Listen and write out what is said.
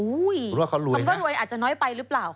คุณว่าเขารวยนะคุณว่ารวยอาจจะน้อยไปหรือเปล่าค่ะ